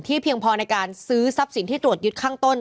เพียงพอในการซื้อทรัพย์สินที่ตรวจยึดข้างต้น